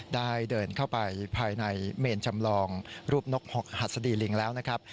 เดินเข้าไปภายในเมนจำลองรูปนกหกหัสดีลิงแล้วนะครับ